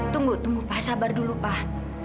tunggu tunggu pak sabar dulu pak